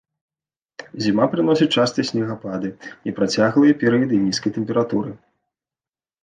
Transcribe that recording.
Зіма прыносіць частыя снегапады і працяглыя перыяды нізкай тэмпературы.